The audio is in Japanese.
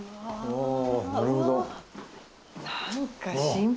おなるほど。